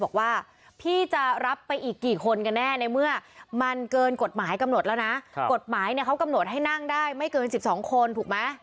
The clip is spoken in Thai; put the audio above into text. บอกว่าพี่จะรับไปอีกกี่คนก็แน่